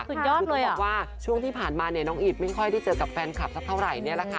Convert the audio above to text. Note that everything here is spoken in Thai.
คุณต้องบอกว่าช่วงที่ผ่านมาน้องอิทไม่ค่อยได้เจอกับแฟนคลับเท่าไรละค่ะ